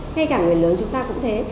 ngay cả người lớn chúng ta cũng thế